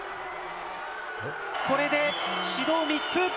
これで指導３つ。